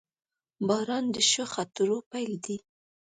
• باران د ښو خاطرو پیل دی.